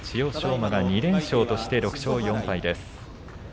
馬が２連勝として６勝４敗です。